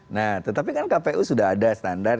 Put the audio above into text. nah tetapi kan kpu sudah ada standar